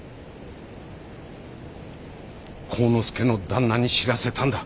晃之助の旦那に知らせたんだ。